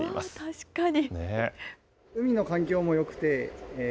確かに。